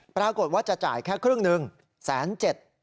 ปรากฏว่าจะจ่ายแค่ครึ่งหนึ่งแสนเจ็ด